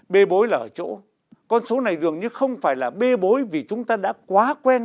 bê bối là ở chỗ con số này dường như không phải là bê bối vì chúng ta đã quá quen